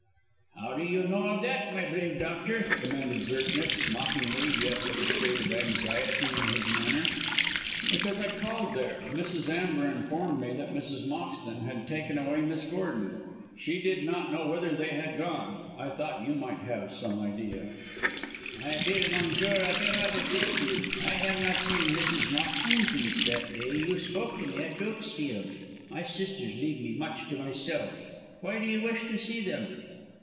"How do you know that, my brave doctor?" demanded Zirknitz, mockingly, yet with a shade of anxiety in his manner. "Because I called there. Mrs. Amber informed me that Mrs. Moxton had taken away Miss Gordon. She did not know whither they had gone. I thought you might have had some idea." "I fear, monsieur, I cannot assist you. I have not seen Mrs. Moxton since that day you spoke to me at Dukesfield. My sisters leave me much to myself. Why do you wish to see them?"